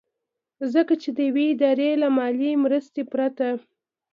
ځکه چې د يوې ادارې له مالي مرستې پرته